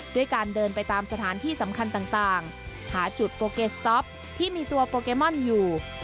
ด้วยการเดินไปตามสถานที่สำคัญต่างหาจุดโปเกสต๊อปที่มีตัวโปเกมอนอยู่